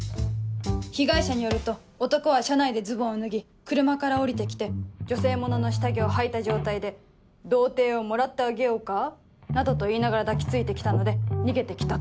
被害者によると男は車内でズボンを脱ぎ車から降りて来て女性物の下着をはいた状態で「童貞をもらってあげようか」などと言いながら抱き付いて来たので逃げて来たと。